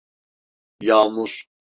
Yağmur?